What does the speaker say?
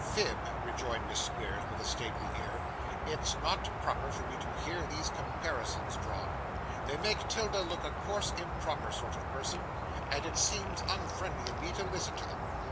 'Phib,' rejoined Miss Squeers, with a stately air, 'it's not proper for me to hear these comparisons drawn; they make 'Tilda look a coarse improper sort of person, and it seems unfriendly in me to listen to them.